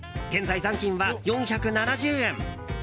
現在、残金は４７０円。